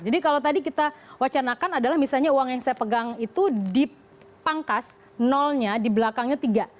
jadi kalau tadi kita wacanakan adalah misalnya uang yang saya pegang itu dipangkas nolnya dibelakangnya tiga